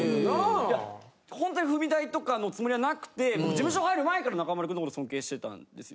いやほんとに踏み台とかのつもりはなくてもう事務所入る前から中丸君のことを尊敬してたんですよ。